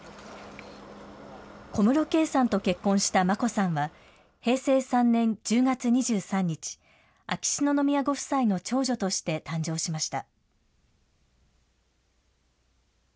小室圭さんと結婚した眞子さんは、平成３年１０月２３日、秋篠宮ご夫妻の長女として誕生しました。